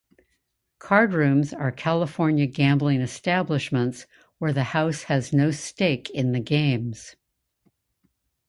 Cardrooms are California gambling establishments where the house has no stake in the games.